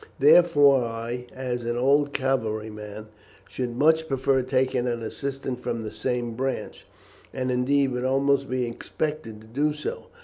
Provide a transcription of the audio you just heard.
Therefore I, as an old cavalry man, should much prefer taking an assistant from the same branch, and indeed would almost be expected to do so.